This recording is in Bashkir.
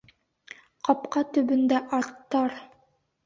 Ҡапҡа төбөндә аттар!